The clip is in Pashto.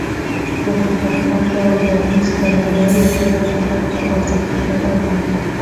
پوهه تر هر ډول مادي شتمنۍ ډېره غوره او ارزښتمنه ده.